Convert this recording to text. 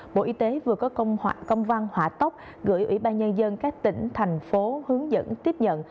bộ y tế vừa có công văn hỏa tốc gửi ủy ban nhân dân các tỉnh thành phố hướng dẫn tiếp nhận